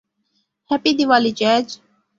Happy Diwali, jazz.